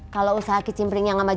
kalau usaha kicim pering kita maju